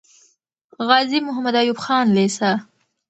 غازي محمد ايوب خان لیسه